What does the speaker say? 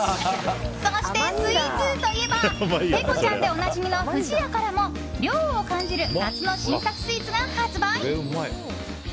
そしてスイーツといえばペコちゃんでおなじみの不二家からも涼を感じる夏の新作スイーツが発売！